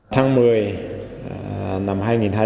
tháng một mươi năm hai nghìn hai mươi